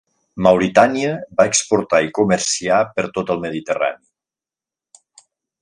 Mauritània va exportar i comerciar per tot el Mediterrani.